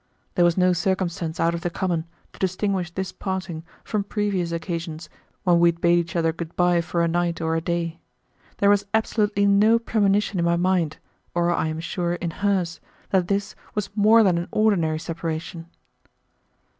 There was no circumstance out of the common to distinguish this parting from previous occasions when we had bade each other good by for a night or a day. There was absolutely no premonition in my mind, or I am sure in hers, that this was more than an ordinary separation.